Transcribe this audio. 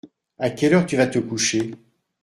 À quelle heure tu vas te coucher ?